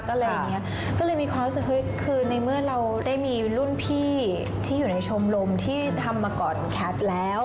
ก็เลยมีความรู้สึกคือในเมื่อเราได้มีรุ่นพี่ที่อยู่ในชมรมที่ทำมาก่อนแคทแล้ว